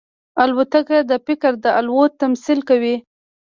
الوتکه د فکر د الوت تمثیل کوي.